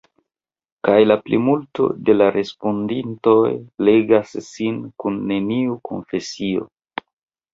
Kaj la plimulto de la respondintoj ligas sin kun neniu konfesio.